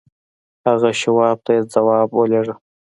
هغه شواب ته يې ځواب ولېږه.